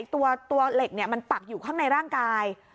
ตัวเหล็กมันปักอยู่ข้างในร่างกาย